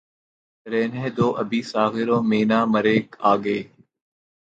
رہنے دو ابھی ساغر و مینا مرے آگے